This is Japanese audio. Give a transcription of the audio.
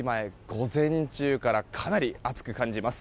午前中からかなり暑く感じます。